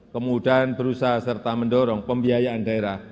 kemudahan berusaha serta mendorong pembiayaan daerah